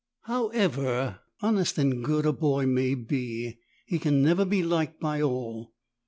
However honest and good a boy may be he can never be liked by all.